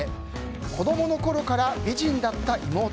子供のころから美人だった妹。